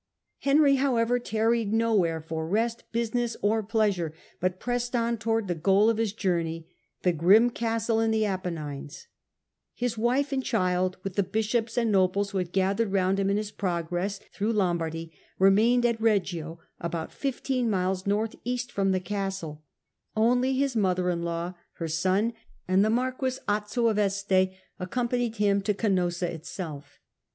Henry, however, tarried nowhere, for rest, business, or pleasure, but pressed on towards the goal of his His journey joo^ney — ^the grim castle in the Apennines, to oanoesa. Hjg ^q ^imBi child, with the bishops and nobles who had gathered round him in his progress through Lombardy, remained at Eeggio, about fifteen miles north east from the castle ; only his mother in law, her son, and the marquis Azzo of Este accompanied him to Canossa itself.